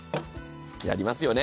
やりますよね。